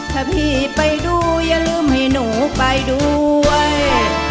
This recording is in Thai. ถ้าพี่ไปดูให้หนูไปด้วย